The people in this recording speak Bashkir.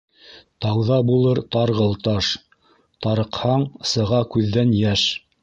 Тауҙа булыр тарғыл таш, тарыҡһаң сыға күҙҙән йәш;